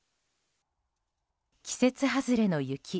季節外れの雪。